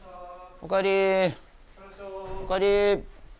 おかえり。